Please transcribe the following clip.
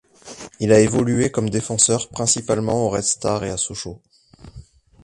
Il a évolué comme défenseur principalement au Red Star et à Sochaux.